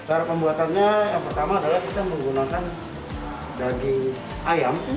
cara pembuatannya yang pertama adalah kita menggunakan daging ayam